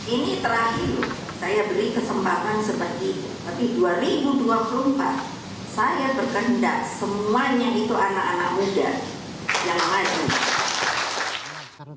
ini terakhir saya beri kesempatan seperti itu tapi dua ribu dua puluh empat saya berkendak semuanya itu anak anak muda yang maju